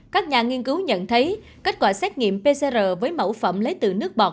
các nhà nghiên cứu nhận thấy kết quả xét nghiệm pcr với mẫu phẩm lấy từ nước bọ